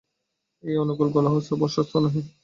এ অনুকূল গলহস্ত অপ্রশস্ত নহে।